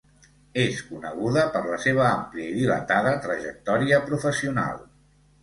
És coneguda per la seva àmplia i dilatada trajectòria professional.